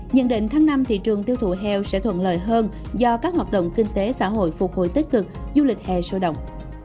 nhận định tháng năm thị trường tiêu thụ heo sẽ thuận lợi hơn do các hoạt động kinh tế xã hội phục hồi tích cực du lịch hè sôi động